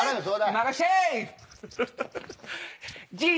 任せて！